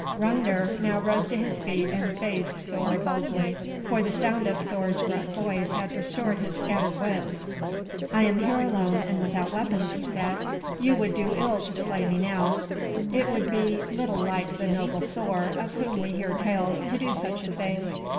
Hrungnir now rose to his feet and faced Thor boldly, for the sound of Thor's gruff voice had restored his scattered wits. "I am here alone and without weapons," he said. "You would do ill to slay me now. It would be little like the noble Thor, of whom we hear tales, to do such a thing.